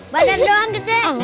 badan doang gitu